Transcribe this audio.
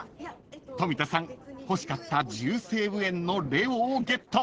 ［富田さん欲しかった１０西武園のレオをゲット］